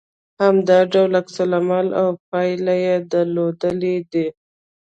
همدا ډول عکس العمل او پايلې يې درلودلې دي